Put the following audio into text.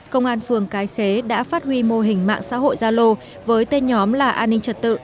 công an phường cái khế đã phát huy mô hình mạng xã hội gia lô với tên nhóm là an ninh trật tự